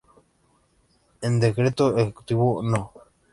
En decreto ejecutivo No.